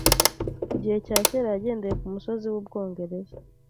mugihe cya kera Yagendeye kumusozi wUbwongereza